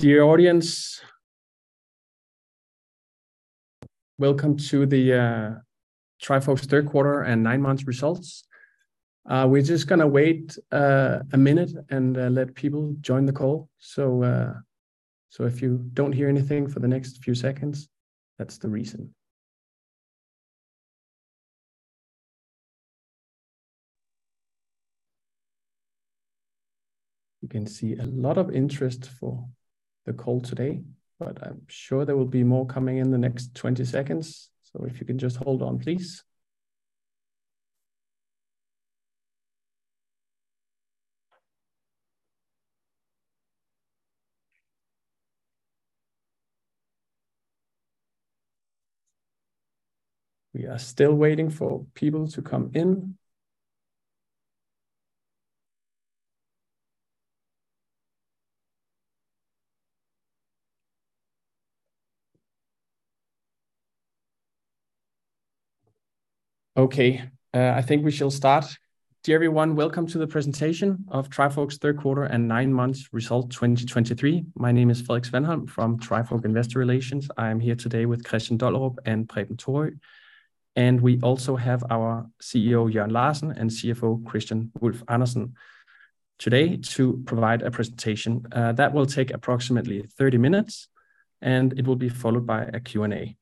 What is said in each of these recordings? Dear audience, welcome to Trifork's third quarter and nine months results. We're just gonna wait a minute and let people join the call. So, if you don't hear anything for the next few seconds, that's the reason. We can see a lot of interest for the call today, but I'm sure there will be more coming in the next 20 seconds, so if you can just hold on, please. We are still waiting for people to come in. Okay, I think we shall start. Dear everyone, welcome to the presentation of Trifork's third quarter and nine months result 2023. My name is Felix Venholm from Trifork Investor Relations. I'm here today with Kristian Dollerup and Preben Thorø, and we also have our CEO, Jørn Larsen, and CFO, Kristian Wulf-Andersen, today to provide a presentation. That will take approximately 30 minutes, and it will be followed by a Q&A.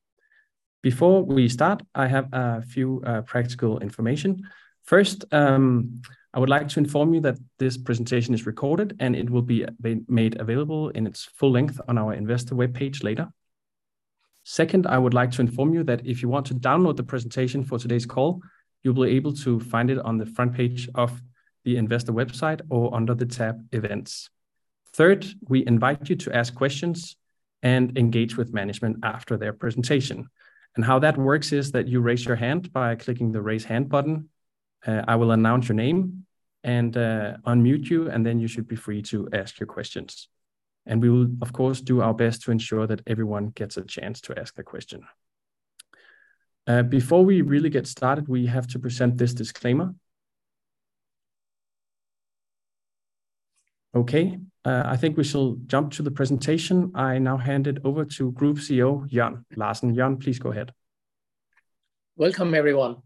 Before we start, I have a few practical information. First, I would like to inform you that this presentation is recorded, and it will be made available in its full length on our investor webpage later. Second, I would like to inform you that if you want to download the presentation for today's call, you'll be able to find it on the front page of the investor website or under the tab Events. Third, we invite you to ask questions and engage with management after their presentation, and how that works is that you raise your hand by clicking the Raise Hand button. I will announce your name and unmute you, and then you should be free to ask your questions. We will, of course, do our best to ensure that everyone gets a chance to ask a question. Before we really get started, we have to present this disclaimer. Okay, I think we shall jump to the presentation. I now hand it over to Group CEO, Jørn Larsen. Jørn, please go ahead. Welcome, everyone,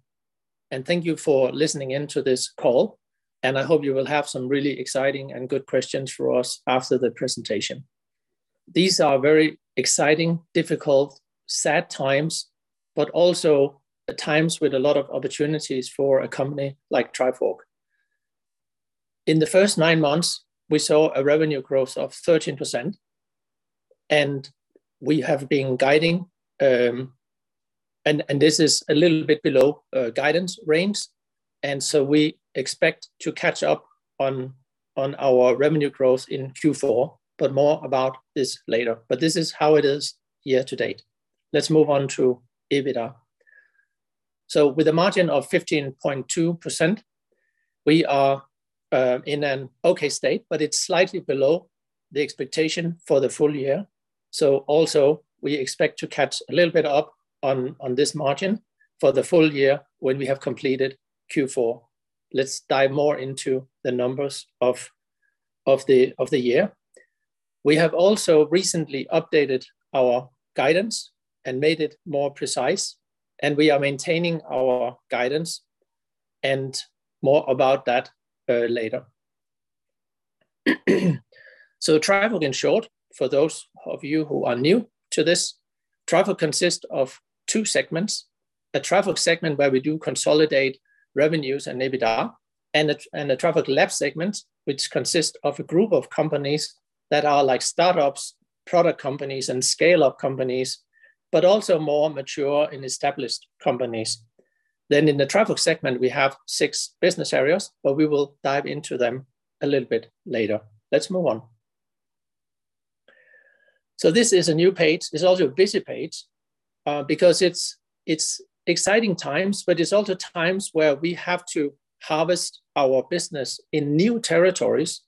and thank you for listening in to this call, and I hope you will have some really exciting and good questions for us after the presentation. These are very exciting, difficult, sad times, but also times with a lot of opportunities for a company like Trifork. In the first nine months, we saw a revenue growth of 13%, and we have been guiding. And this is a little bit below guidance range, and so we expect to catch up on our revenue growth in Q4, but more about this later. This is how it is year to date. Let's move on to EBITDA. With a margin of 15.2%, we are in an okay state, but it's slightly below the expectation for the full year. Also, we expect to catch a little bit up on this margin for the full year when we have completed Q4. Let's dive more into the numbers of the year. We have also recently updated our guidance and made it more precise, and we are maintaining our guidance, and more about that later. Trifork, in short, for those of you who are new to this, Trifork consists of two segments: a Trifork segment, where we do consolidate revenues and EBITDA, and a Trifork Labs segment, which consists of a group of companies that are like startups, product companies, and scale-up companies, but also more mature and established companies. Then in the Trifork segment, we have six business areas, but we will dive into them a little bit later. Let's move on. This is a new page. It's also a busy page because it's exciting times, but it's also times where we have to harvest our business in new territories.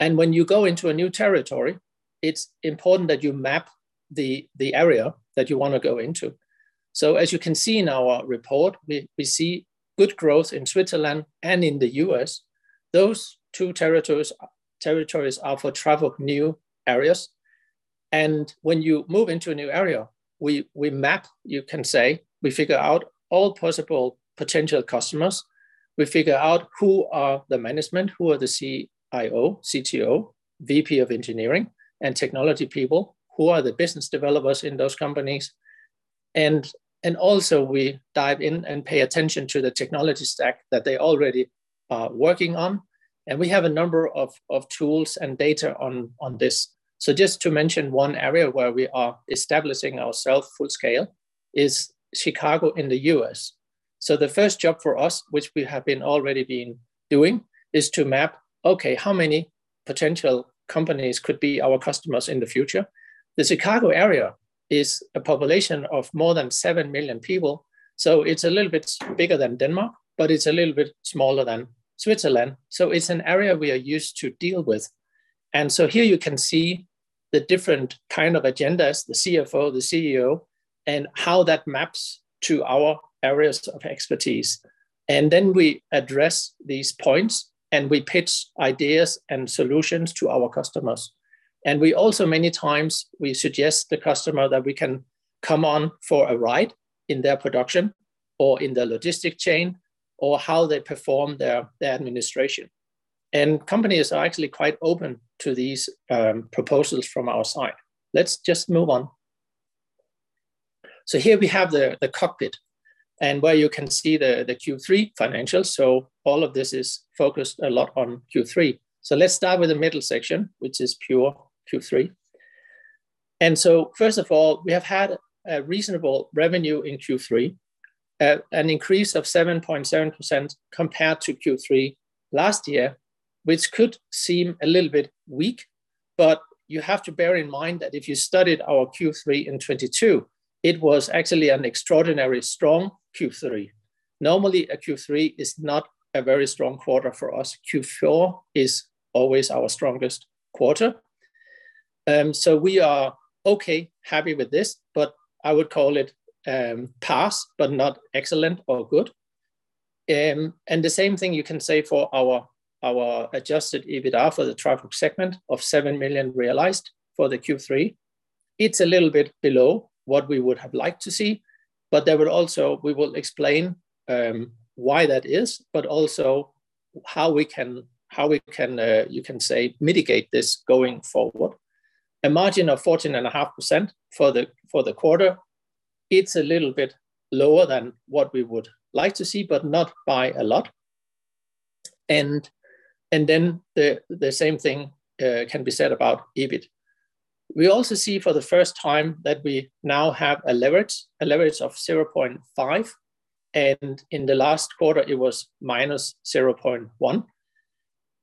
When you go into a new territory, it's important that you map the area that you wanna go into. So as you can see in our report, we see good growth in Switzerland and in the U.S. Those two territories are for Trifork new areas, and when you move into a new area, we map, you can say. We figure out all possible potential customers. We figure out who are the management, who are the CIO, CTO, VP of engineering and technology people, who are the business developers in those companies. Also we dive in and pay attention to the technology stack that they already are working on, and we have a number of tools and data on this. So just to mention one area where we are establishing ourselves full scale is Chicago in the U.S. So the first job for us, which we have already been doing, is to map, okay, how many potential companies could be our customers in the future? The Chicago area has a population of more than seven million people, so it's a little bit bigger than Denmark, but it's a little bit smaller than Switzerland, so it's an area we are used to deal with. And so here you can see the different kind of agendas, the CFO, the CEO and how that maps to our areas of expertise. Then we address these points, and we pitch ideas and solutions to our customers. And we also, many times, we suggest the customer that we can come on for a ride in their production or in their logistic chain, or how they perform their administration. And companies are actually quite open to these proposals from our side. Let's just move on. So here we have the cockpit, and where you can see the Q3 financials. So all of this is focused a lot on Q3. So let's start with the middle section, which is pure Q3. And so first of all, we have had a reasonable revenue in Q3, an increase of 7.7% compared to Q3 last year, which could seem a little bit weak, but you have to bear in mind that if you studied our Q3 in 2022, it was actually an extraordinarily strong Q3. Normally, a Q3 is not a very strong quarter for us. Q4 is always our strongest quarter. So we are okay, happy with this, but I would call it pass, but not excellent or good. And the same thing you can say for our Adjusted EBITDA for the Trifork segment of 7 million realized for the Q3. It's a little bit below what we would have liked to see, but there will also we will explain why that is, but also how we can you can say, mitigate this going forward. A margin of 14.5% for the quarter, it's a little bit lower than what we would like to see, but not by a lot. And then the same thing can be said about EBIT. We also see for the first time that we now have a leverage of 0.5, and in the last quarter it was -0.1,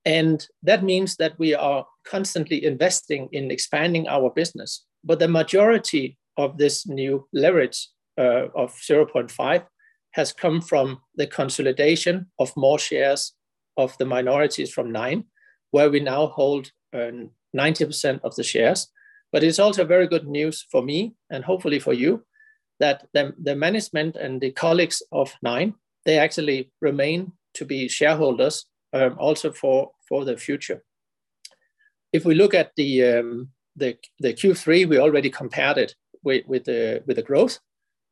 and that means that we are constantly investing in expanding our business. But the majority of this new leverage of 0.5 has come from the consolidation of more shares of the minorities from Nine, where we now hold 90% of the shares. But it's also very good news for me, and hopefully for you, that the management and the colleagues of Nine, they actually remain to be shareholders also for the future. If we look at the Q3, we already compared it with the growth,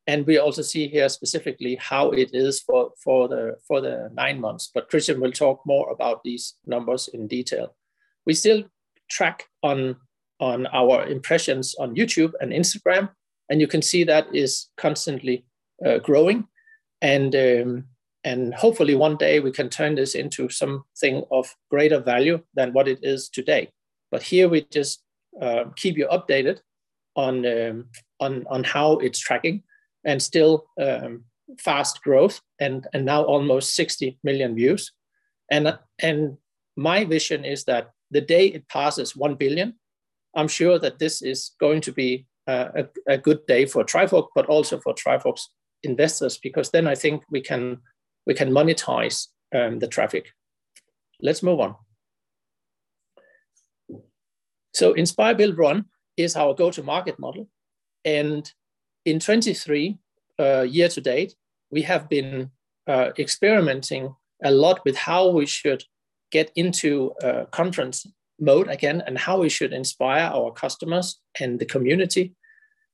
and we also see here specifically how it is for the nine months, but Kristian will talk more about these numbers in detail. We still track on our impressions on YouTube and Instagram, and you can see that is constantly growing, and hopefully one day we can turn this into something of greater value than what it is today. But here we just keep you updated on how it's tracking, and still fast growth and now almost 60 million views. And my vision is that the day it passes 1 billion, I'm sure that this is going to be a good day for Trifork, but also for Trifork's investors, because then I think we can monetize the traffic. Let's move on. So Inspire, Build, Run is our go-to-market model, and in 2023, year to date, we have been experimenting a lot with how we should get into conference mode again, and how we should inspire our customers and the community.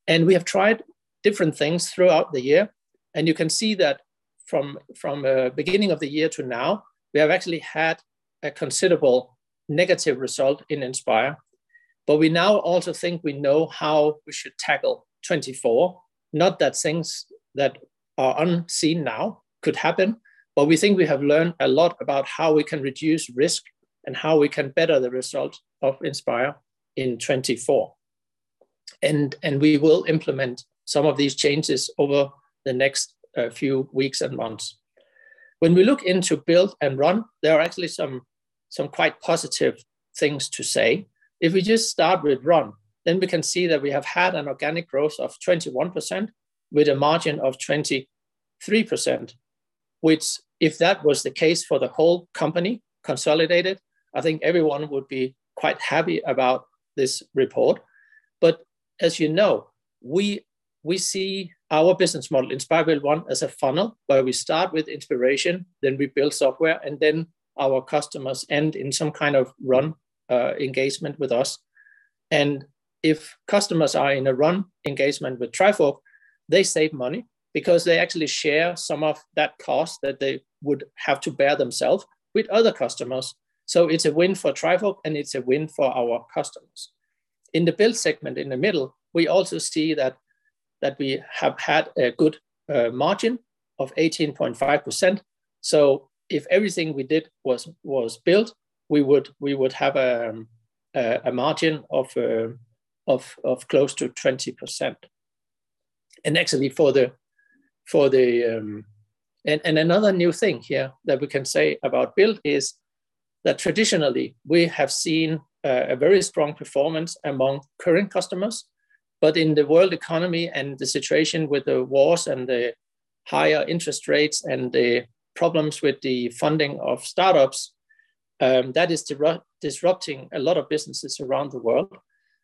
And we have tried different things throughout the year, and you can see that from the beginning of the year to now, we have actually had a considerable negative result in Inspire. But we now also think we know how we should tackle 2024. Not that things that are unseen now could happen, but we think we have learned a lot about how we can reduce risk and how we can better the result of Inspire in 2024. And we will implement some of these changes over the next few weeks and months. When we look into Build and Run, there are actually some quite positive things to say. If we just start with Run, then we can see that we have had an organic growth of 21%, with a margin of 23%, which, if that was the case for the whole company consolidated, I think everyone would be quite happy about this report. But as you know, we see our business model, Inspire, Build, Run, as a funnel where we start with inspiration, then we build software, and then our customers end in some kind of Run engagement with us. And if customers are in a Run engagement with Trifork, they save money because they actually share some of that cost that they would have to bear themselves with other customers. So it's a win for Trifork, and it's a win for our customers. In the Build segment in the middle, we also see that we have had a good margin of 18.5%. So, if everything we did was build, we would have a margin of close to 20%. And actually, and another new thing here that we can say about Build is that traditionally we have seen a very strong performance among current customers, but in the world economy and the situation with the wars and higher interest rates and the problems with the funding of startups, that is disrupting a lot of businesses around the world.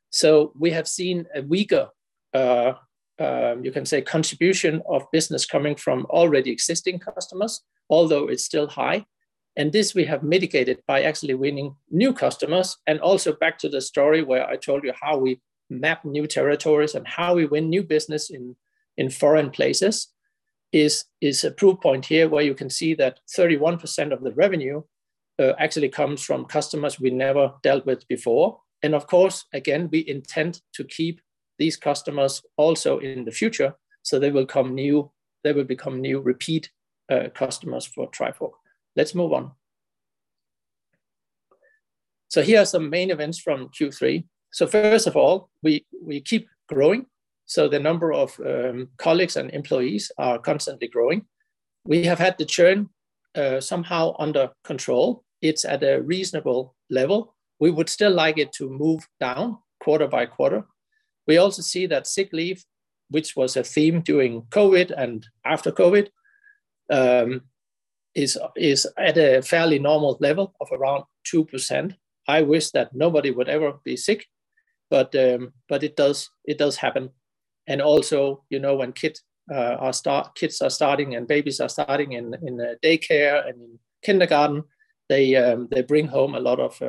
So we have seen a weaker, you can say, contribution of business coming from already existing customers, although it's still high. This we have mitigated by actually winning new customers, and also back to the story where I told you how we map new territories and how we win new business in foreign places is a proof point here where you can see that 31% of the revenue actually comes from customers we never dealt with before. Of course, again, we intend to keep these customers also in the future, so they will become new repeat customers for Trifork. Let's move on. Here are some main events from Q3. First of all, we keep growing, so the number of colleagues and employees are constantly growing. We have had the churn somehow under control. It's at a reasonable level. We would still like it to move down quarter by quarter. We also see that sick leave, which was a theme during COVID and after COVID, is at a fairly normal level of around 2%. I wish that nobody would ever be sick, but it does happen. And also, you know, when kids are starting and babies are starting in daycare and in kindergarten, they bring home a lot of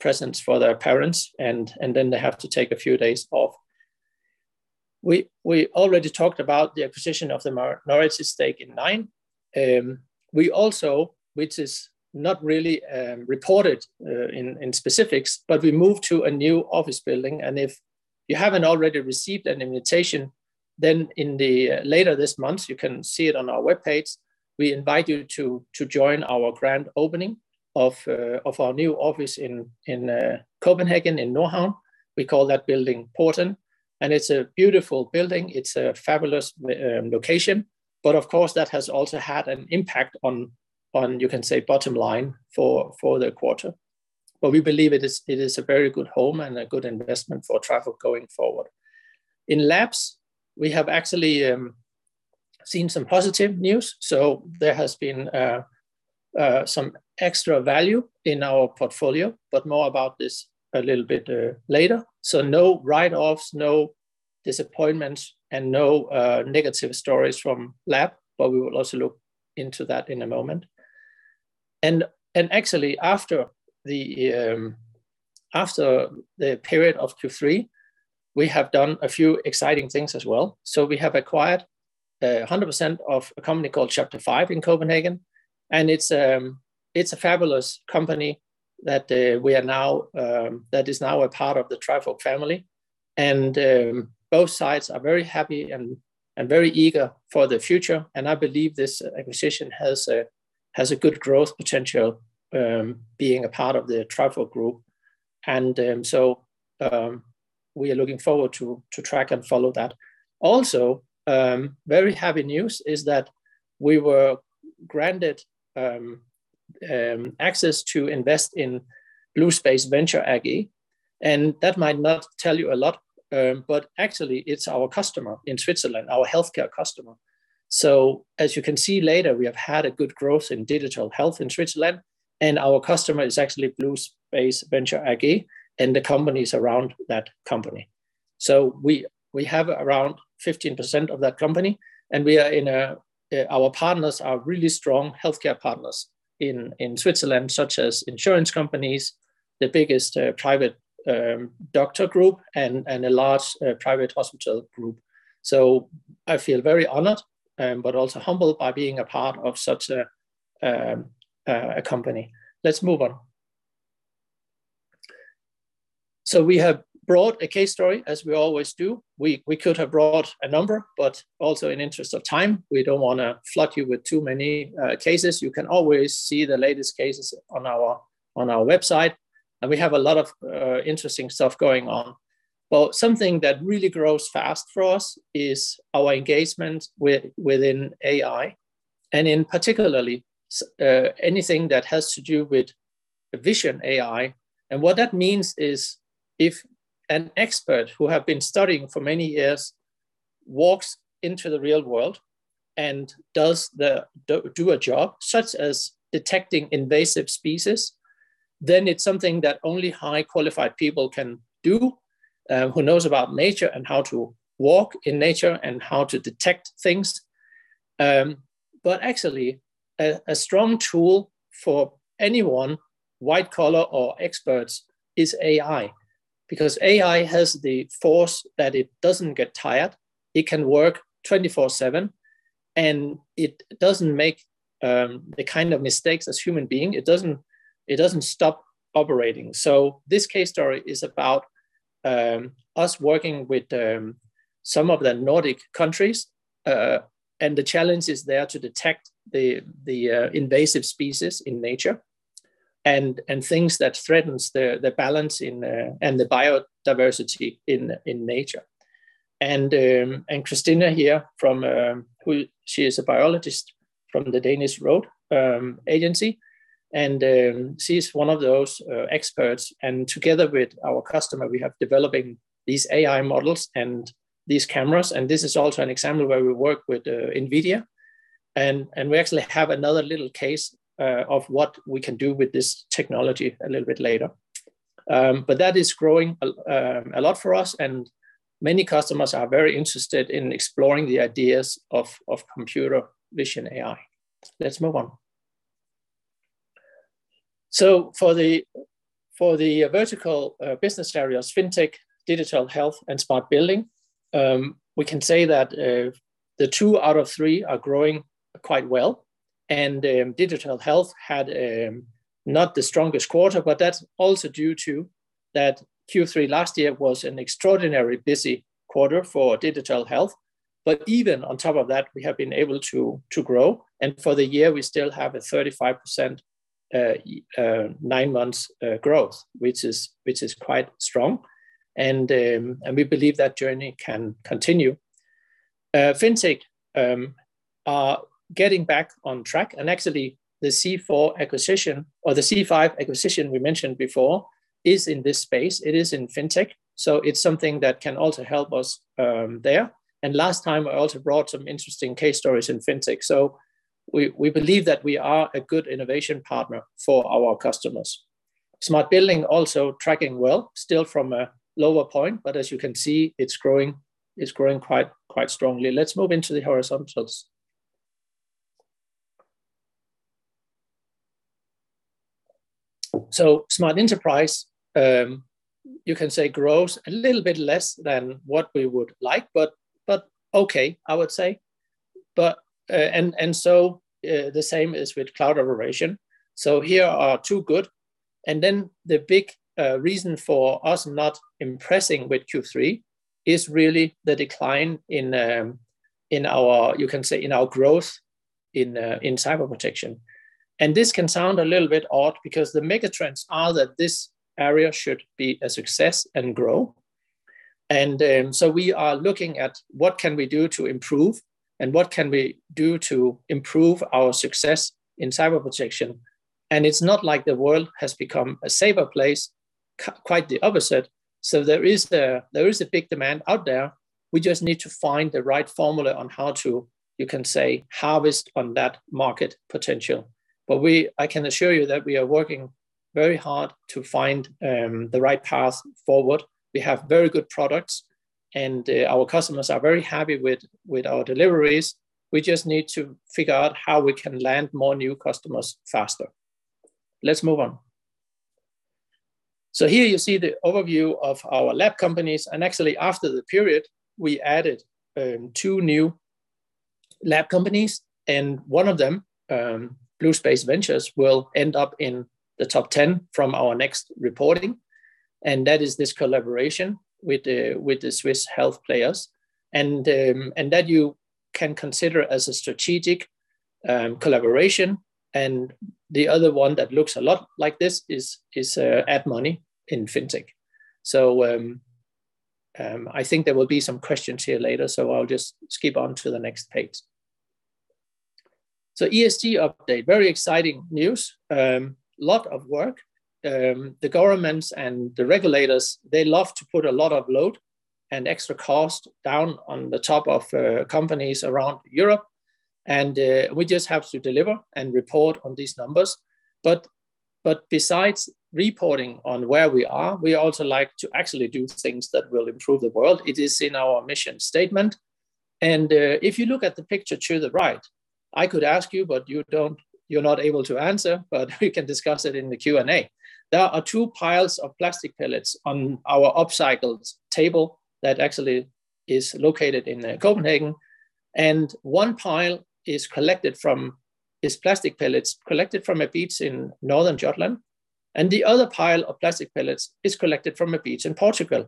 presents for their parents, and then they have to take a few days off. We already talked about the acquisition of the minority stake in Nine. We also, which is not really reported in specifics, but we moved to a new office building, and if you haven't already received an invitation, then later this month, you can see it on our webpage. We invite you to join our grand opening of our new office in Copenhagen, in Nordhavn. We call that building Porten, and it's a beautiful building. It's a fabulous location, but of course, that has also had an impact on you can say, bottom line for the quarter. But we believe it is a very good home and a good investment for Trifork going forward. In Labs, we have actually seen some positive news, so there has been some extra value in our portfolio, but more about this a little bit later. So no write-offs, no disappointments, and no negative stories from Lab, but we will also look into that in a moment. Actually, after the period of Q3, we have done a few exciting things as well. So we have acquired 100% of a company called Chapter 5 in Copenhagen, and it's a fabulous company that is now a part of the Trifork family. And both sides are very happy and very eager for the future, and I believe this acquisition has a good growth potential being a part of the Trifork Group. And so we are looking forward to track and follow that. Also very happy news is that we were granted access to invest in Bluespace Ventures AG, and that might not tell you a lot, but actually it's our customer in Switzerland, our healthcare customer. So as you can see later, we have had a good growth in digital health in Switzerland, and our customer is actually Bluespace Ventures AG and the companies around that company. So we have around 15% of that company, and we are in a, our partners are really strong healthcare partners in, in Switzerland, such as insurance companies, the biggest, private, doctor group, and a large, private hospital group. So I feel very honored, but also humbled by being a part of such a, a company. Let's move on. So we have brought a case story, as we always do. We could have brought a number, but also in interest of time, we don't wanna flood you with too many, cases. You can always see the latest cases on our website, and we have a lot of interesting stuff going on. Well, something that really grows fast for us is our engagement within AI, and particularly anything that has to do with vision AI. And what that means is, if an expert who have been studying for many years walks into the real world and does a job, such as detecting invasive species, then it's something that only highly qualified people can do, who knows about nature and how to walk in nature and how to detect things. But actually, a strong tool for anyone, white collar or experts, is AI, because AI has the force that it doesn't get tired, it can work 24/7, and it doesn't make the kind of mistakes as human being. It doesn't, it doesn't stop operating. So this case story is about us working with some of the Nordic countries, and the challenge is there to detect the invasive species in nature and things that threatens the balance in and the biodiversity in nature. And Christina here from the Danish Road Agency, and she's one of those experts. And together with our customer, we have developing these AI models and these cameras, and this is also an example where we work with NVIDIA. And we actually have another little case of what we can do with this technology a little bit later. But that is growing a lot for us, and many customers are very interested in exploring the ideas of Computer Vision AI. Let's move on. So for the vertical business areas, FinTech, digital health, and smart building, we can say that the two out of three are growing quite well, and digital health had not the strongest quarter, but that's also due to that Q3 last year was an extraordinarily busy quarter for digital health. But even on top of that, we have been able to grow, and for the year, we still have a 35% nine months growth, which is quite strong, and we believe that journey can continue. Fintech are getting back on track, and actually the C4 acquisition or the C5 acquisition we mentioned before is in this space. It is in Fintech, so it's something that can also help us there. And last time I also brought some interesting case stories in Fintech. So we believe that we are a good innovation partner for our customers. Smart building also tracking well, still from a lower point, but as you can see, it's growing, it's growing quite strongly. Let's move into the horizontals. So Smart Enterprise you can say grows a little bit less than what we would like, but okay, I would say. The same is with cloud operation. So here are two good, and then the big reason for us not impressing with Q3 is really the decline in, in our, you can say, in our growth in, in cyber protection. And this can sound a little bit odd because the mega trends are that this area should be a success and grow. And, so we are looking at what can we do to improve, and what can we do to improve our success in cyber protection? And it's not like the world has become a safer place, quite the opposite, so there is a, there is a big demand out there. We just need to find the right formula on how to, you can say, harvest on that market potential. But I can assure you that we are working very hard to find, the right path forward. We have very good products, and our customers are very happy with our deliveries. We just need to figure out how we can land more new customers faster. Let's move on. So here you see the overview of our lab companies, and actually, after the period, we added two new lab companies, and one of them, Bluespace Ventures, will end up in the top ten from our next reporting, and that is this collaboration with the Swiss health players. And that you can consider as a strategic collaboration, and the other one that looks a lot like this is Addmoney in FinTech. So I think there will be some questions here later, so I'll just skip on to the next page. So ESG update, very exciting news, lot of work. The governments and the regulators, they love to put a lot of load and extra cost down on the top of companies around Europe, and we just have to deliver and report on these numbers. But besides reporting on where we are, we also like to actually do things that will improve the world. It is in our mission statement, and if you look at the picture to the right, I could ask you, but you don't, you're not able to answer, but we can discuss it in the Q&A. There are two piles of plastic pellets on our up-cycled table that actually is located in Copenhagen, and one pile is collected from... It's plastic pellets collected from a beach in northern Jutland, and the other pile of plastic pellets is collected from a beach in Portugal,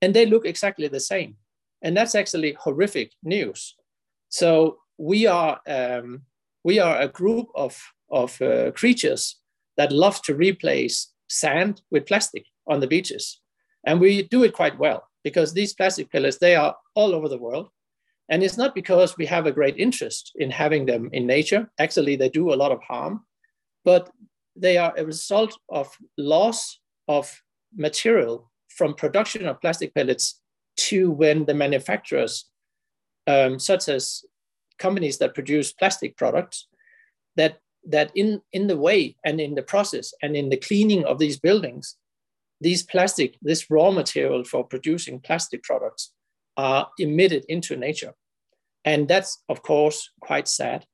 and they look exactly the same, and that's actually horrific news. So we are a group of creatures that love to replace sand with plastic on the beaches, and we do it quite well because these plastic pellets, they are all over the world, and it's not because we have a great interest in having them in nature. Actually, they do a lot of harm, but they are a result of loss of material from production of plastic pellets to when the manufacturers, such as companies that produce plastic products, that in the way and in the process and in the cleaning of these buildings, these plastic, this raw material for producing plastic products, are emitted into nature, and that's, of course, quite sad.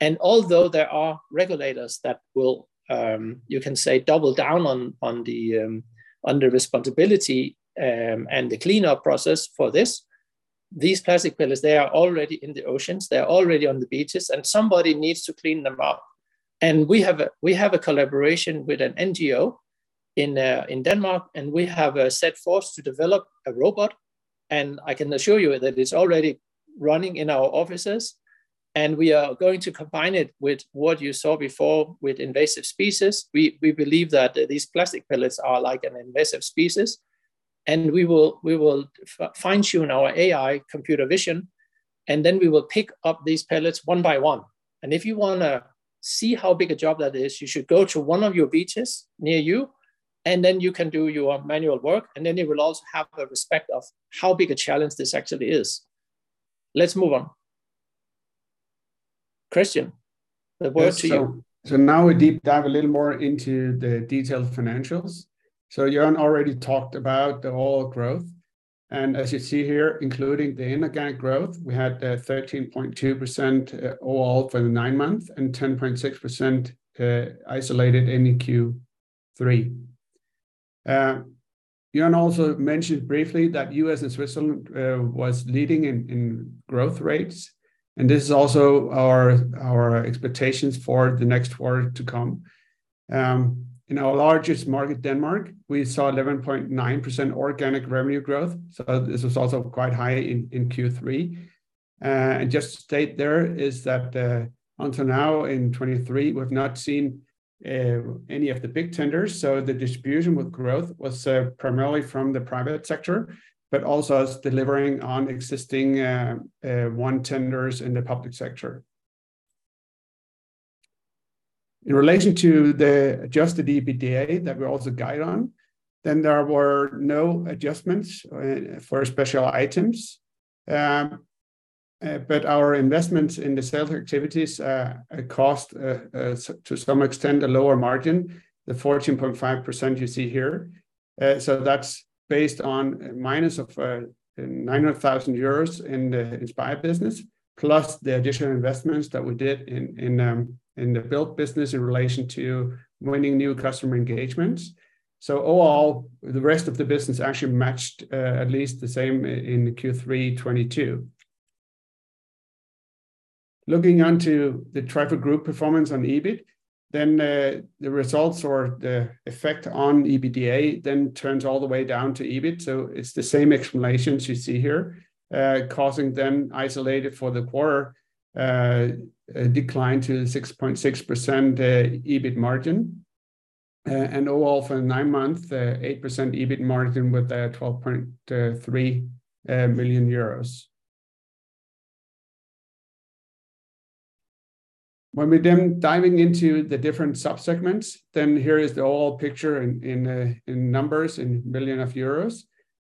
And although there are regulators that will, you can say, double down on the responsibility and the cleanup process for these plastic pellets, they are already in the oceans, they are already on the beaches, and somebody needs to clean them up. And we have a collaboration with an NGO in Denmark, and we have a task force to develop a robot, and I can assure you that it's already running in our offices, and we are going to combine it with what you saw before with invasive species. We believe that these plastic pellets are like an invasive species and we will fine-tune our AI computer vision, and then we will pick up these pellets one by one. And if you wanna see how big a job that is, you should go to one of your beaches near you, and then you can do your manual work, and then you will also have a respect of how big a challenge this actually is. Let's move on. Christian, the word to you. Yes. So, so now we deep dive a little more into the detailed financials. So Jørn already talked about the overall growth, and as you see here, including the inorganic growth, we had 13.2% overall for the nine month, and 10.6% isolated in Q3. Jørn also mentioned briefly that U.S. and Switzerland was leading in growth rates, and this is also our expectations for the next quarter to come. In our largest market, Denmark, we saw 11.9% organic revenue growth, so this is also quite high in Q3. And just to state there is that, until now in 2023, we've not seen any of the big tenders, so the distribution with growth was primarily from the private sector, but also us delivering on existing won tenders in the public sector. In relation to the Adjusted EBITDA that we also guide on, then there were no adjustments for special items. But our investments in the sales activities cost to some extent a lower margin, the 14.5% you see here. So that's based on minus of 900,000 euros in the Inspire business, plus the additional investments that we did in the Build business in relation to winning new customer engagements. So overall, the rest of the business actually matched at least the same in Q3 2022. Looking onto the Trifork Group performance on EBIT, then the results or the effect on EBITDA then turns all the way down to EBIT, so it's the same explanations you see here causing then isolated for the quarter a decline to 6.6% EBIT margin. And overall for the nine-month 8% EBIT margin with 12.3 million euros. When we then diving into the different sub-segments, then here is the overall picture in numbers in million EUR.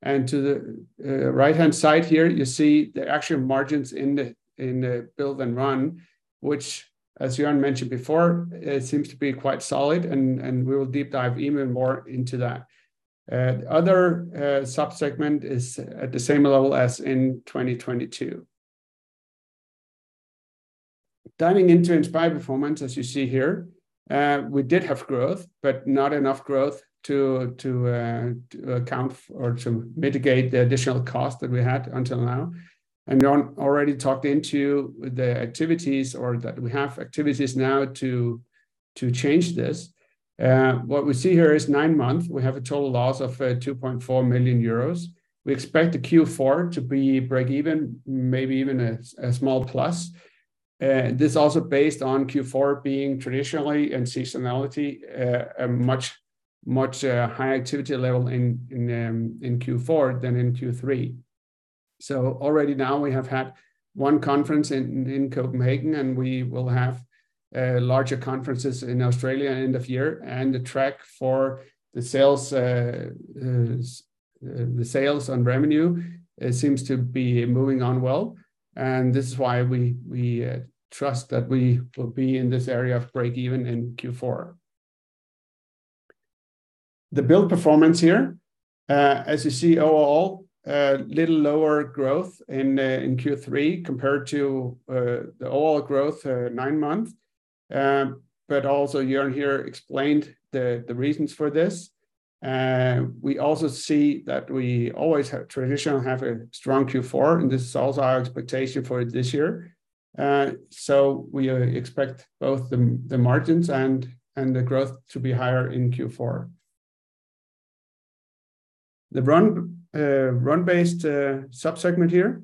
To the right-hand side here, you see the actual margins in the Build and Run, which, as Jørn mentioned before, it seems to be quite solid, and we will deep dive even more into that. Other sub-segment is at the same level as in 2022. Diving into Inspire performance, as you see here, we did have growth, but not enough growth to account for or to mitigate the additional cost that we had until now. Jørn already talked into the activities or the... We have activities now to change this. What we see here is nine months, we have a total loss of 2.4 million euros. We expect the Q4 to be breakeven, maybe even a small plus. This is also based on Q4 being traditionally and seasonality a much higher activity level in Q4 than in Q3. So already now, we have had one conference in Copenhagen, and we will have larger conferences in Australia end of year. And the track for the sales, the sales on revenue, it seems to be moving on well, and this is why we trust that we will be in this area of break even in Q4. The Build performance here, as you see overall, a little lower growth in Q3 compared to the overall growth nine month. But also Jørn here explained the reasons for this. We also see that we always traditionally have a strong Q4, and this is also our expectation for this year. So, we expect both the margins and the growth to be higher in Q4. The Run-based sub-segment here.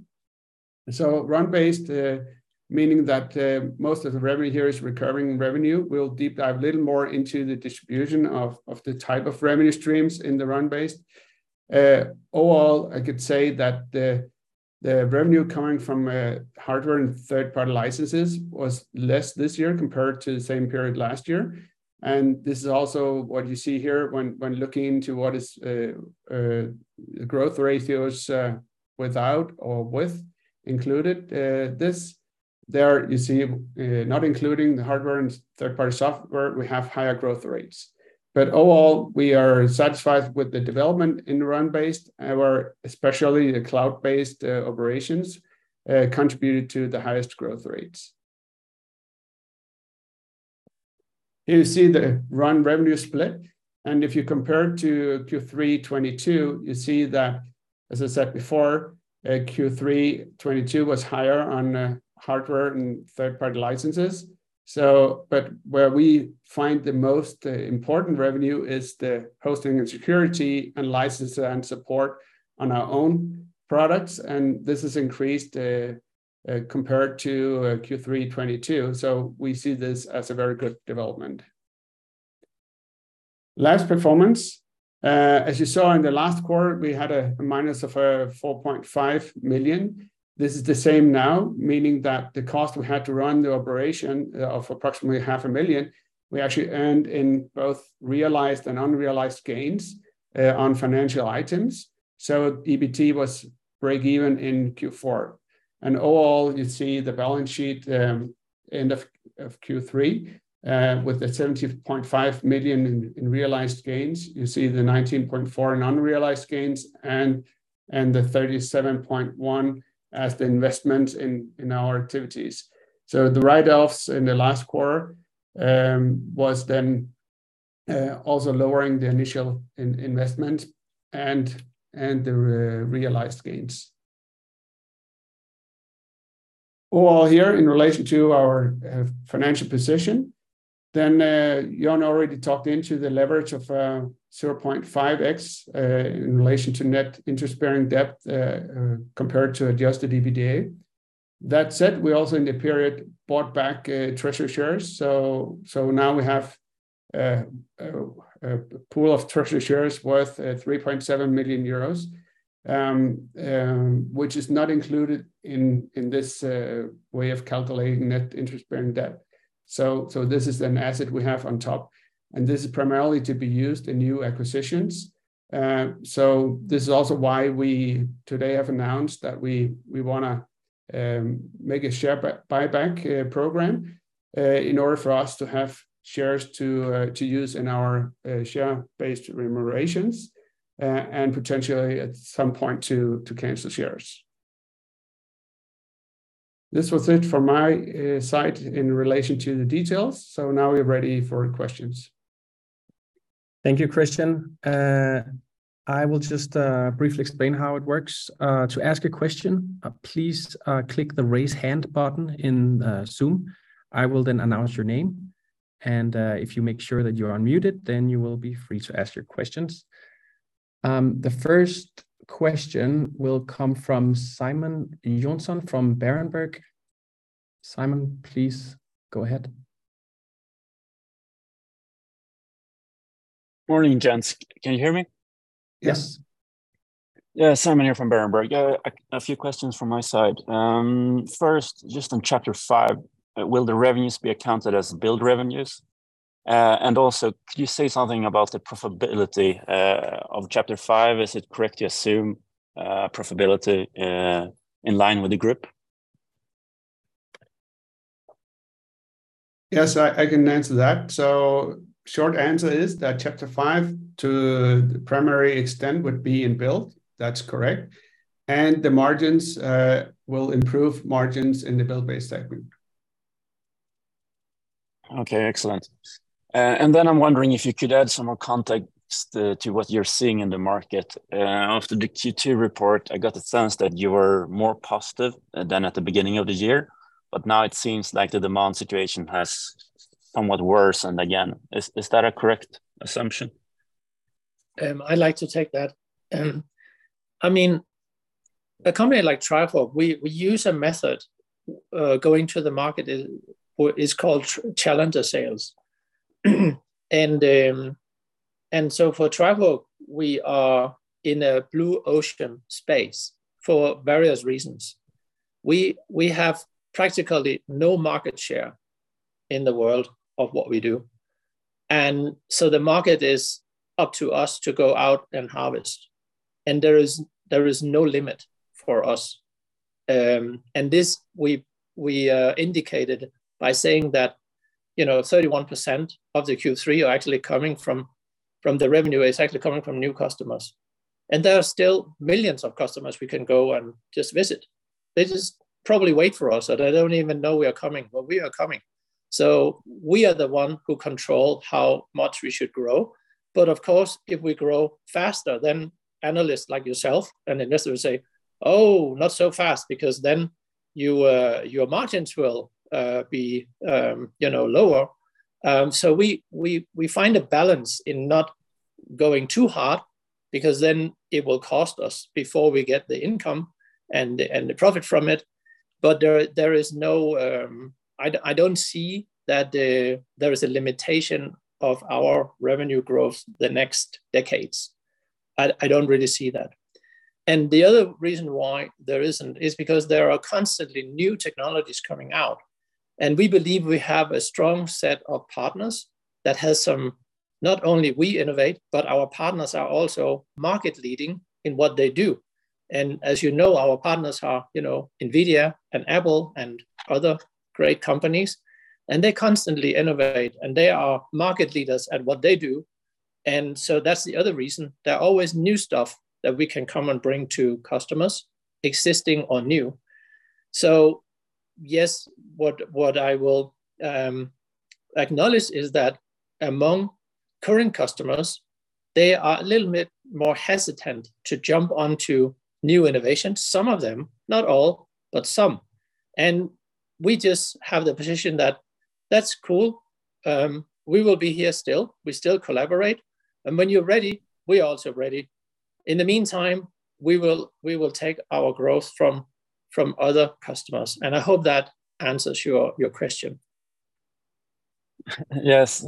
So Run-based, meaning that most of the revenue here is recurring revenue. We'll deep dive a little more into the distribution of the type of revenue streams in the Run-based. Overall, I could say that the revenue coming from hardware and third-party licenses was less this year compared to the same period last year. And this is also what you see here when looking into what is growth ratios without or with included. This, there you see, not including the hardware and third-party software, we have higher growth rates. But overall, we are satisfied with the development in Run-based. Our, especially the cloud-based operations, contributed to the highest growth rates. Here you see the Run revenue split, and if you compare to Q3 2022, you see that, as I said before, Q3 2022 was higher on hardware and third-party licenses. So but where we find the most important revenue is the hosting and security and license and support on our own products, and this has increased compared to Q3 2022. So we see this as a very good development. Last performance. As you saw in the last quarter, we had a minus of 4.5 million. This is the same now, meaning that the cost we had to run the operation of approximately 0.5 million, we actually earned in both realized and unrealized gains on financial items. So EBT was break even in Q4. All, you see the balance sheet, end of Q3, with the 70.5 million in realized gains. You see the 19.4 million in unrealized gains and the 37.1 million as the investment in our activities. The write-offs in the last quarter was then also lowering the initial investment and the realized gains. Overall here, in relation to our financial position, Jan already talked into the leverage of 0.5x in relation to net interest-bearing debt compared to adjusted EBITDA. That said, we also in the period bought back treasury shares. So now we have a pool of treasury shares worth 3.7 million euros, which is not included in this way of calculating net interest-bearing debt. So this is an asset we have on top, and this is primarily to be used in new acquisitions. So this is also why we today have announced that we wanna make a share buyback program in order for us to have shares to use in our share-based remunerations, and potentially at some point to cancel shares. This was it from my side in relation to the details, so now we are ready for questions. Thank you, Christian. I will just briefly explain how it works. To ask a question, please click the Raise Hand button in Zoom. I will then announce your name, and if you make sure that you are unmuted, then you will be free to ask your questions. The first question will come from Simon Jonsson from Berenberg. Simon, please go ahead. Can you hear me? Yes. Yes. Yeah, Simon here from Berenberg. Yeah, a few questions from my side. First, just on Chapter five, will the revenues be accounted as build revenues? And also, can you say something about the profitability of Chapter five? Is it correct to assume profitability in line with the group? Yes, I can answer that. So, short answer is that Chapter five, to the primary extent, would be in build. That's correct. And the margins will improve margins in the build-based segment. Okay, excellent. And then I'm wondering if you could add some more context to what you're seeing in the market. After the Q2 report, I got the sense that you were more positive than at the beginning of the year, but now it seems like the demand situation has somewhat worsened again. Is that a correct assumption? I'd like to take that. I mean, a company like Trifork, we use a method going to the market, what is called Challenger Sales. And so for Trifork, we are in a blue ocean space for various reasons. We have practically no market share in the world of what we do, and so the market is up to us to go out and harvest, and there is no limit for us. And this, we indicated by saying that, you know, 31% of the Q3 are actually coming from the revenue, is actually coming from new customers. And there are still millions of customers we can go and just visit. They just probably wait for us, and they don't even know we are coming, but we are coming. So we are the one who control how much we should grow. But of course, if we grow faster, then analysts like yourself and investors say, "Oh, not so fast, because then you, your margins will, be, you know, lower." So we find a balance in not going too hard because then it will cost us before we get the income and the, and the profit from it. But there is no. I don't see that, there is a limitation of our revenue growth the next decades. I don't really see that. And the other reason why there isn't, is because there are constantly new technologies coming out, and we believe we have a strong set of partners that has some not only we innovate, but our partners are also market leading in what they do. As you know, our partners are, you know, NVIDIA and Apple and other great companies, and they constantly innovate, and they are market leaders at what they do, and so that's the other reason. There are always new stuff that we can come and bring to customers, existing or new. So yes, what I will acknowledge is that among current customers, they are a little bit more hesitant to jump onto new innovations. Some of them, not all, but some. And we just have the position that, "That's cool, we will be here still. We still collaborate, and when you're ready, we are also ready." In the meantime, we will take our growth from other customers, and I hope that answers your question. Yes,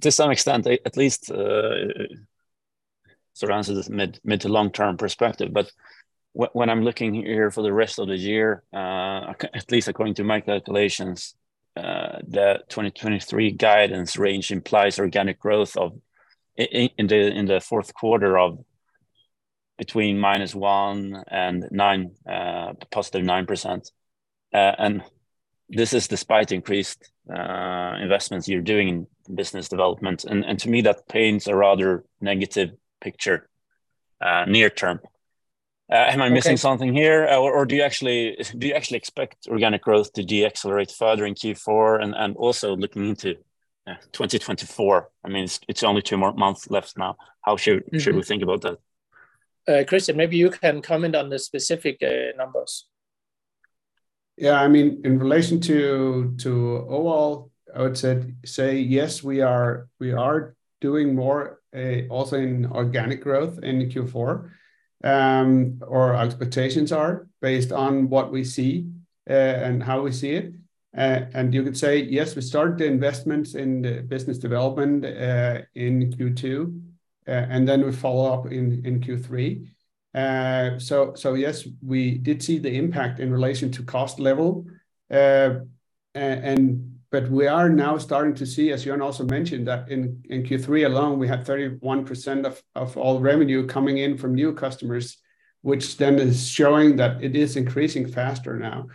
to some extent, at least, so answers this mid- to long-term perspective. But when I'm looking here for the rest of the year, at least according to my calculations, the 2023 guidance range implies organic growth in the fourth quarter of between -1% and 9%. And this is despite increased investments you're doing in business development, and to me, that paints a rather negative picture near term. Okay. Am I missing something here? Or do you actually expect organic growth to decelerate further in Q4, and also looking into 2024? I mean, it's only two more months left now. How should we think about that? Christian, maybe you can comment on the specific numbers. Yeah, I mean, in relation to, to overall, I would say, say yes, we are, we are doing more, also in organic growth in Q4. Our expectations are based on what we see, and how we see it. And you could say, yes, we started the investments in the business development, in Q2, and then we follow up in, in Q3. So, so yes, we did see the impact in relation to cost level, and, but we are now starting to see, as Jørn also mentioned, that in, in Q3 alone, we had 31% of, of all revenue coming in from new customers, which then is showing that it is increasing faster now.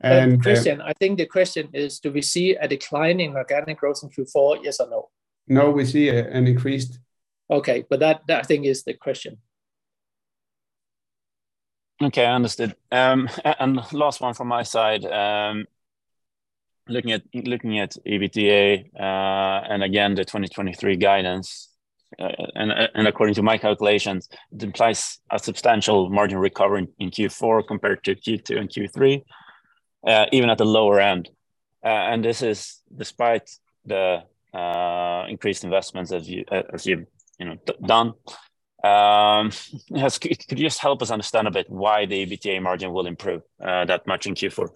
And- But Christian, I think the question is: Do we see a decline in organic growth in Q4, yes or no? No, we see an increased. Okay, but that, I think, is the question. Okay, I understood. Last one from my side, looking at EBITDA, and again, the 2023 guidance, and according to my calculations, it implies a substantial margin recovery in Q4 compared to Q2 and Q3, even at the lower end. This is despite the increased investments, as you know, done. Could you just help us understand a bit why the EBITDA margin will improve that much in Q4?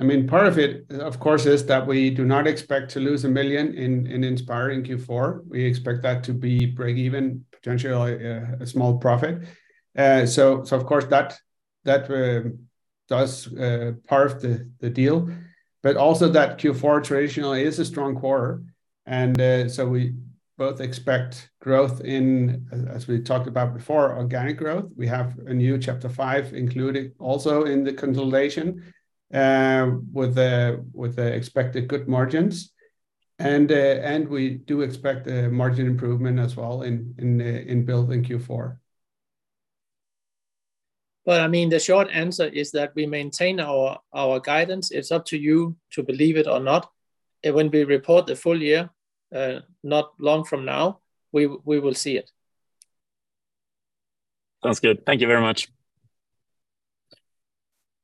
I mean, part of it, of course, is that we do not expect to lose 1 million in Inspiring Q4. We expect that to be break even, potentially, a small profit. So of course, that does part of the deal, but also that Q4 traditionally is a strong quarter. And so we both expect growth, as we talked about before, organic growth. We have a new Chapter five included also in the consolidation, with the expected good margins. And we do expect a margin improvement as well in building Q4. Well, I mean, the short answer is that we maintain our guidance. It's up to you to believe it or not. When we report the full year, not long from now, we will see it. Sounds good. Thank you very much.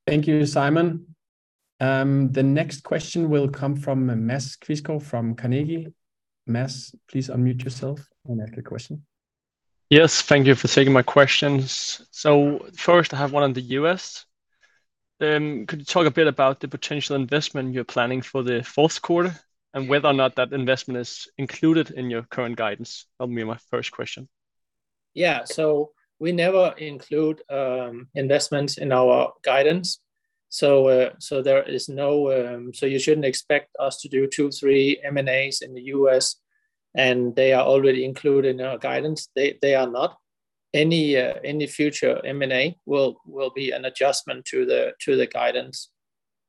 Thank you, Simon. The next question will come from Mads Quistgaard from Carnegie. Mads, please unmute yourself and ask your question. Yes, thank you for taking my questions. First, I have one on the U.S. Could you talk a bit about the potential investment you're planning for the fourth quarter, and whether or not that investment is included in your current guidance? That will be my first question. Yeah. So we never include investments in our guidance. So there is no, So you shouldn't expect us to do two-three M&As in the U.S., and they are already included in our guidance. They are not. Any future M&A will be an adjustment to the guidance,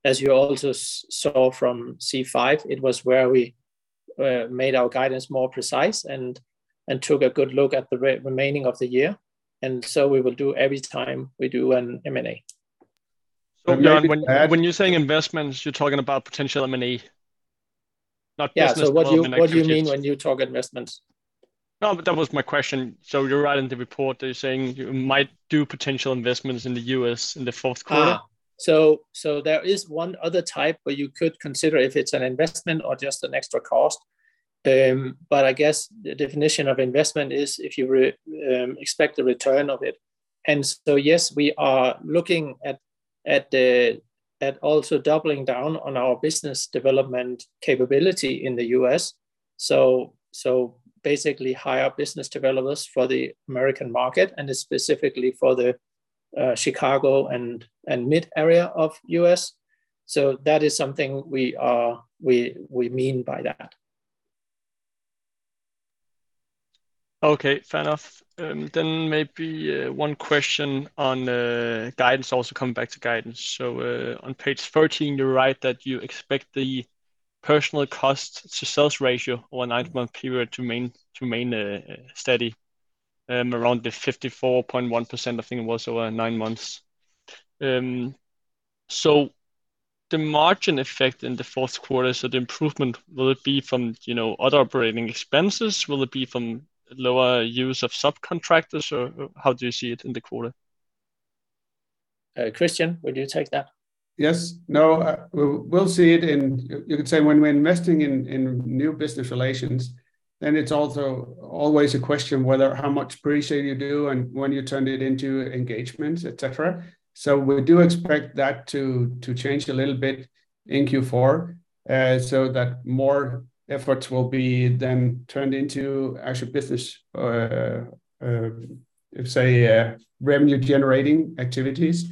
as you also saw from C5. It was where we made our guidance more precise and took a good look at the remaining of the year, and so we will do every time we do an M&A. So when you're saying investments, you're talking about potential M&A, not business development activities. Yeah. So what do you mean when you talk investments? No, but that was my question. So, you write in the report that you're saying you might do potential investments in the U.S. in the fourth quarter. Ah, so there is one other type, but you could consider if it's an investment or just an extra cost. But I guess the definition of investment is if you expect a return of it. And so, yes, we are looking at also doubling down on our business development capability in the U.S. So, basically, hire business developers for the American market, and specifically for the Chicago and mid area of U.S. So, that is something we mean by that. Okay, fair enough. Then maybe, one question on, guidance, also coming back to guidance. So, on page 13, you write that you expect the personnel cost to sales ratio over a nine-month period to remain, to remain, steady around the 54.1%, I think it was, over nine months. So the margin effect in the fourth quarter, so the improvement, will it be from, you know, other operating expenses? Will it be from lower use of subcontractors, or how do you see it in the quarter? Christian, would you take that? Yes. No, we'll see it in. You could say when we're investing in new business relations, then it's also always a question whether how much pre-sale you do and when you turn it into engagements, et cetera. So, we do expect that to change a little bit in Q4, so that more efforts will be then turned into actual business, say, revenue-generating activities.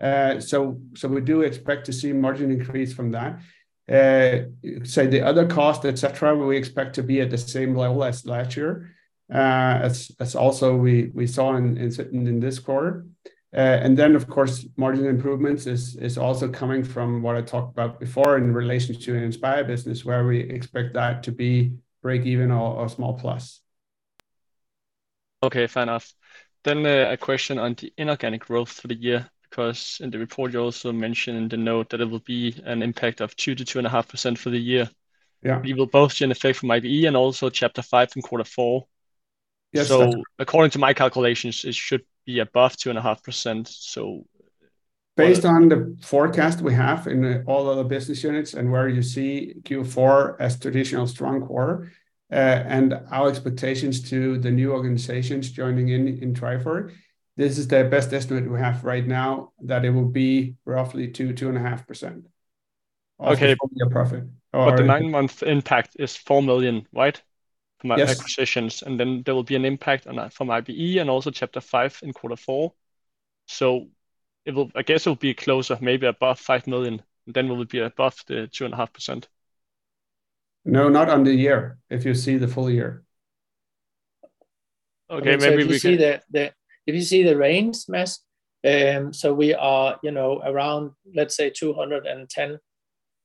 So we do expect to see margin increase from that. Say the other cost, et cetera, we expect to be at the same level as last year, as also we saw in certain—in this quarter. And then, of course, margin improvements is also coming from what I talked about before in relation to Inspire Business, where we expect that to be break even or small plus. Okay, fair enough. Then, a question on the inorganic growth for the year, because in the report you also mentioned in the note that it will be an impact of 2%-2.5% for the year. Yeah. We will both generate effect from IBE and also Chapter five in quarter four? Yes, that- According to my calculations, it should be above 2.5%, so... Based on the forecast we have in all other business units, and where you see Q4 as traditional strong quarter, and our expectations to the new organizations joining in Trifork, this is the best estimate we have right now, that it will be roughly 2%-2.5%. Okay. Of your profit or- The nine-month impact is 4 million, right? Yes. From acquisitions, and then there will be an impact on that from IBE and also Chapter four in quarter four. So it will, I guess it will be closer, maybe above 5 million, then we will be above the 2.5%. No, not on the year, if you see the full year. Okay, maybe we can- If you see the range, Mads, so we are, you know, around, let's say 210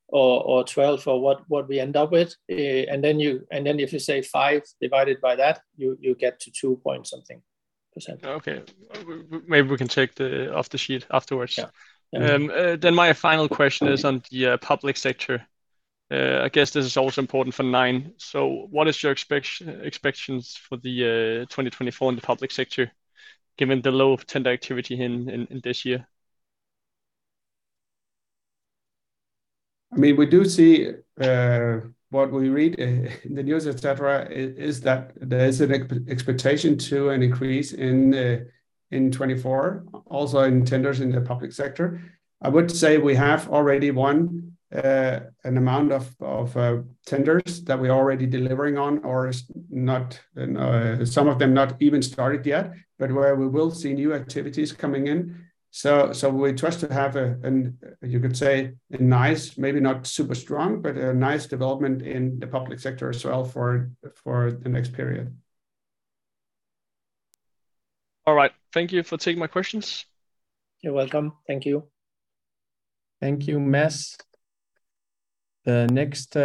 or 212 for what we end up with. And then if you say 5 divided by that, you get to 2.something%. Okay. Maybe we can check off the sheet afterwards. Yeah. Then my final question is on the public sector. I guess this is also important for Nine. So what is your expectations for the 2024 in the public sector, given the low tender activity in this year? I mean, we do see what we read in the news, et cetera, is that there is an expectation to an increase in 2024, also in tenders in the public sector. I would say we have already won an amount of tenders that we're already delivering on, or not. Some of them not even started yet, but where we will see new activities coming in. So we trust to have an, you could say, a nice, maybe not super strong, but a nice development in the public sector as well for the next period. All right. Thank you for taking my questions. You're welcome. Thank you. Thank you, Mads. The next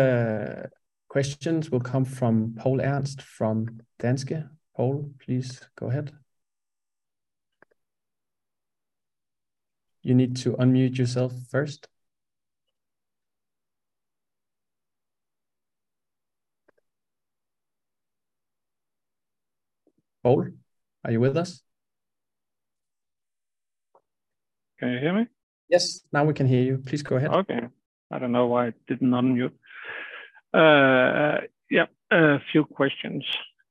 questions will come from Poul Ernst, from Danske. Poul, please go ahead. You need to unmute yourself first. Poul, are you with us? Can you hear me? Yes, now we can hear you. Please go ahead. Okay. I don't know why it didn't unmute. Yeah, a few questions.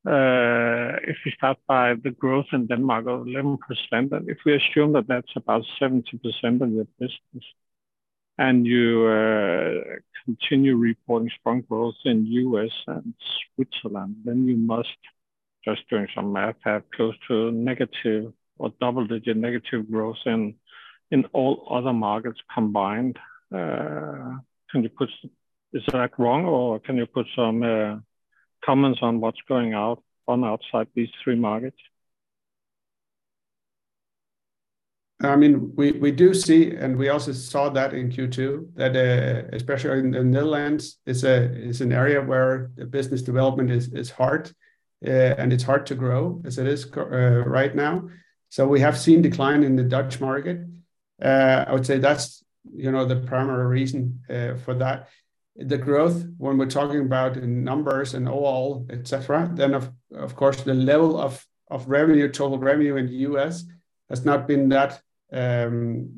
If we start by the growth in Denmark of 11%, then if we assume that that's about 70% of your business, and you continue reporting strong growth in U.S. and Switzerland, then you must, just doing some math, have close to negative or double-digit negative growth in all other markets combined. Can you put, Is that wrong, or can you put some comments on what's going on outside these three markets? I mean, we do see, and we also saw that in Q2, that especially in the Netherlands, it's an area where the business development is hard, and it's hard to grow as it is right now. So we have seen decline in the Dutch market. I would say that's, you know, the primary reason for that. The growth, when we're talking about in numbers and overall, et cetera, then of course the level of revenue, total revenue in the U.S. has not been that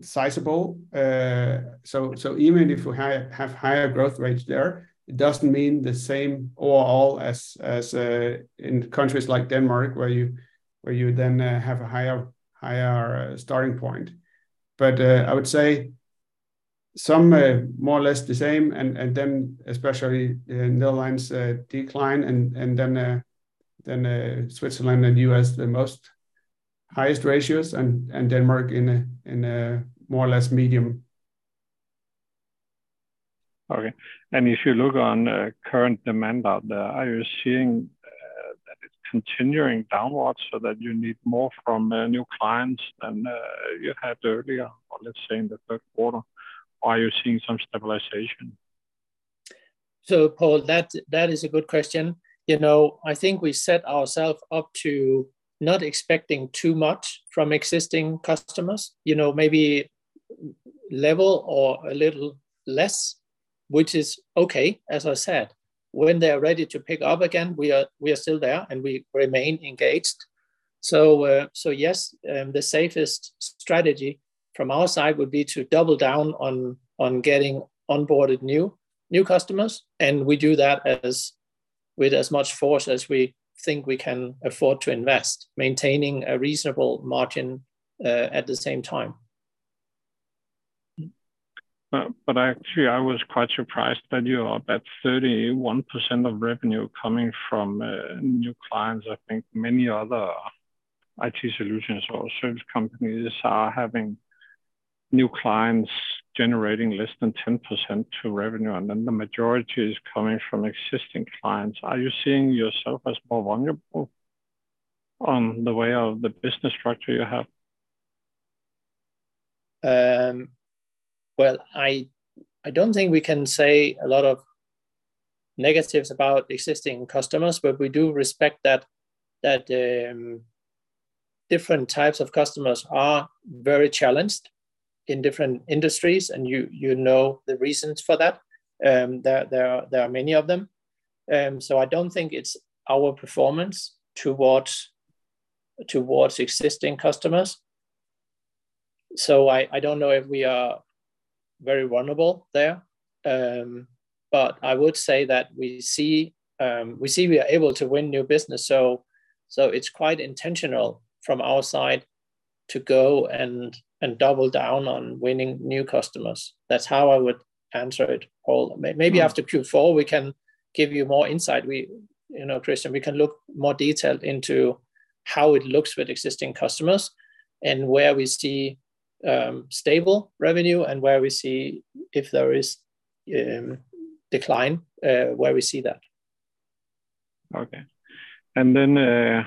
sizable. So even if we have higher growth rates there, it doesn't mean the same overall as in countries like Denmark, where you then have a higher starting point. But I would say some more or less the same, and then especially in the Netherlands decline, and then Switzerland and U.S., the most highest ratios, and Denmark in a more or less medium. Okay. And if you look on current demand out there, are you seeing that it's continuing downwards so that you need more from new clients than you had earlier, or let's say in the third quarter? Are you seeing some stabilization? So Paul, that is a good question. You know, I think we set ourselves up to not expecting too much from existing customers. You know, maybe level or a little less, which is okay, as I said. When they are ready to pick up again, we are still there, and we remain engaged. So, so yes, the safest strategy from our side would be to double down on getting onboarded new customers, and we do that with as much force as we think we can afford to invest, maintaining a reasonable margin, at the same time. But actually, I was quite surprised that you are up at 31% of revenue coming from new clients. I think many other IT solutions or service companies are having new clients generating less than 10% to revenue, and then the majority is coming from existing clients. Are you seeing yourself as more vulnerable on the way of the business structure you have? Well, I don't think we can say a lot of negatives about existing customers, but we do respect that different types of customers are very challenged in different industries, and you know the reasons for that. There are many of them. So I don't think it's our performance towards existing customers. So I don't know if we are very vulnerable there. But I would say that we see we are able to win new business, so it's quite intentional from our side to go and double down on winning new customers. That's how I would answer it, Paul. Mm-hmm. Maybe after Q4, we can give you more insight. We, you know, Christian, we can look more detailed into how it looks with existing customers and where we see stable revenue and where we see if there is decline, where we see that. Okay. Then,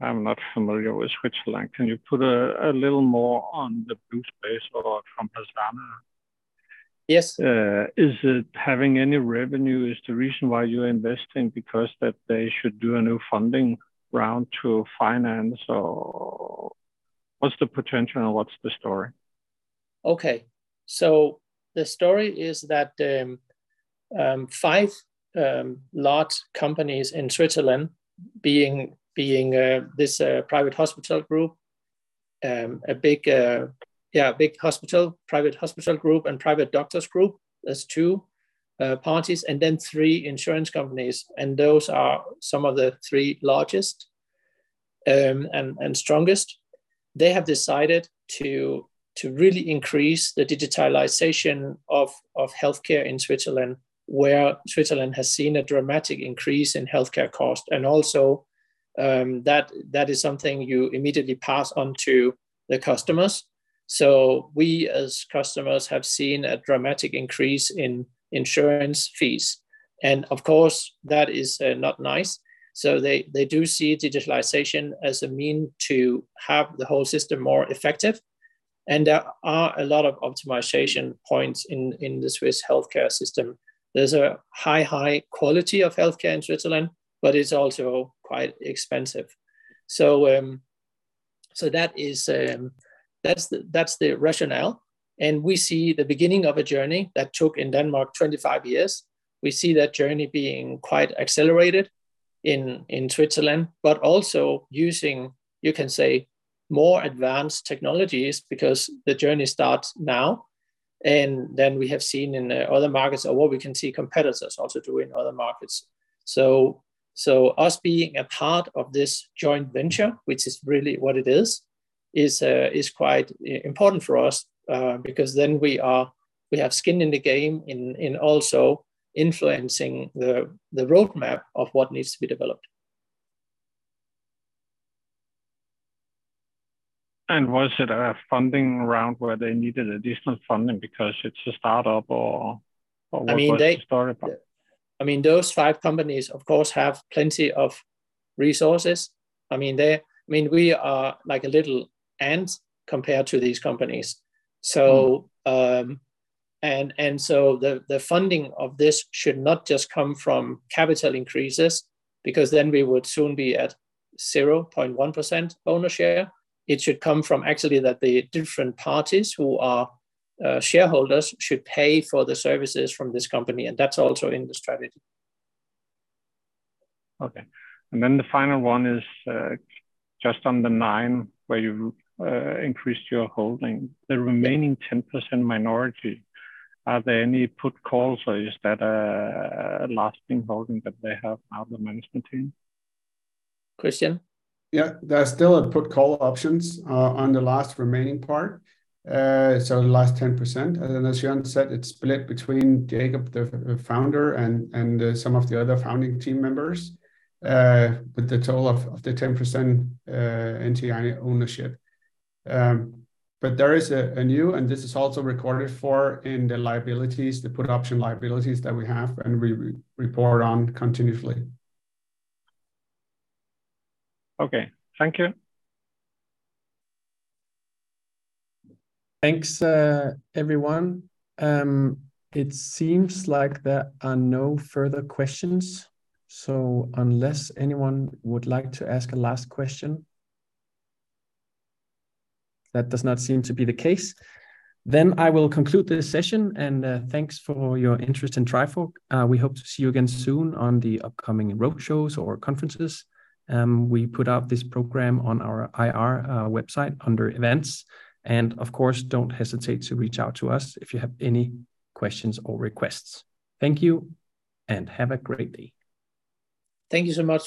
I'm not familiar with Switzerland. Can you put a little more on the Bluespace or from Compassana? Yes. Is it having any revenue is the reason why you're investing, because that they should do a new funding round to finance? Or what's the potential, and what's the story? Okay. So the story is that five large companies in Switzerland, being this private hospital group, a big, yeah, a big hospital, private hospital group, and private doctors group. There's two parties, and then three insurance companies, and those are some of the three largest and strongest. They have decided to really increase the digitalization of healthcare in Switzerland, where Switzerland has seen a dramatic increase in healthcare cost, and also, that is something you immediately pass on to the customers. So we, as customers, have seen a dramatic increase in insurance fees, and of course, that is not nice. So they do see digitalization as a means to have the whole system more effective, and there are a lot of optimization points in the Swiss healthcare system. There's a high, high quality of healthcare in Switzerland, but it's also quite expensive. So, that is, that's the rationale, and we see the beginning of a journey that took in Denmark 25 years. We see that journey being quite accelerated in Switzerland, but also using, you can say, more advanced technologies, because the journey starts now, and then we have seen in the other markets or what we can see competitors also do in other markets. So, us being a part of this joint venture, which is really what it is, is quite important for us, because then we have skin in the game in also influencing the roadmap of what needs to be developed. Was it a funding round where they needed additional funding because it's a startup or, or what was the story about? I mean, they, I mean, those five companies, of course, have plenty of resources. I mean, they, I mean, we are like a little ant compared to these companies. Mm-hmm. So, the funding of this should not just come from capital increases, because then we would soon be at 0.1% owner share. It should come from actually that the different parties who are shareholders should pay for the services from this company, and that's also in the strategy. Okay. And then the final one is just on the nine, where you increased your holding. The remaining 10% minority, are there any put calls, or is that a lasting holding that they have now, the management team? Christian? Yeah, there are still put call options on the last remaining part, so the last 10%. And as Jo said, it's split between Jacob, the founder, and some of the other founding team members, but the total of the 10% Nine ownership. But there is a new, and this is also recorded for in the liabilities, the put option liabilities that we have, and we report on continuously. Okay. Thank you. Thanks, everyone. It seems like there are no further questions, so unless anyone would like to ask a last question. That does not seem to be the case. Then I will conclude this session, and thanks for your interest in Trifork. We hope to see you again soon on the upcoming roadshows or conferences. We put out this program on our IR website under Events. Of course, don't hesitate to reach out to us if you have any questions or requests. Thank you, and have a great day. Thank you so much.